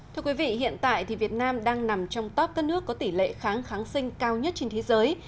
thưa quý vị hiện tại thì việt nam đang nằm trong top các nước có tỷ lệ kháng kháng sinh cao nhất trên thế giới